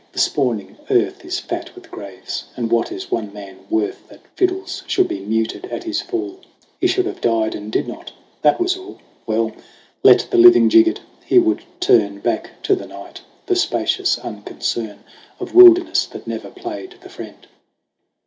The spawning Earth Is fat with graves ; and what is one man worth That fiddles should be muted at his fall ? He should have died and did not that was all. Well, let the living jig it ! He would turn Back to the night, the spacious unconcern Of wilderness that never played the friend.